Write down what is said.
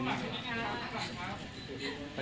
ไปไกลกันก็มีนะคะ